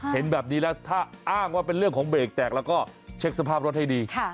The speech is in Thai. เห็นแบบนี้แล้วถ้าอ้างว่าเป็นเรื่องของเบรกแตกแล้วก็เช็คสภาพรถให้ดี